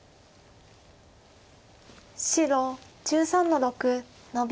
白１３の六ノビ。